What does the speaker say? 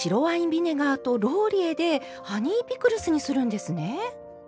ビネガーとローリエでハニーピクルスにするんですね。